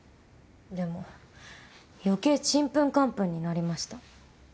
でも余計ちんぷんかんぷんになりました。